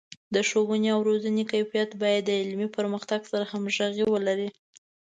د ښوونې او روزنې کیفیت باید د علمي پرمختګ سره همغږي ولري.